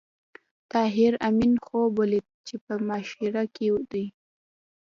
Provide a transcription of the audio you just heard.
طاهر آمین خوب ولید چې په مشاعره کې دی